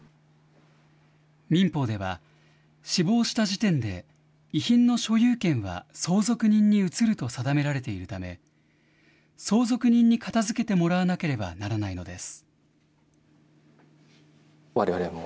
民法では、死亡した時点で遺品の所有権は相続人に移ると定められているため、相続人に片づけてもらわなければならないのです。